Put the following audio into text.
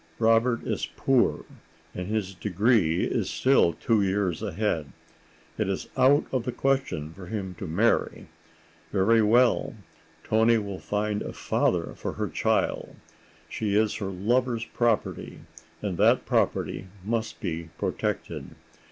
Robert is poor and his degree is still two years ahead; it is out of the question for him to marry. Very well, Toni will find a father for her child; she is her lover's property, and that property must be protected.